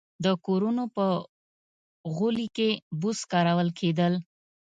د کورونو په غولي کې بوس کارول کېدل.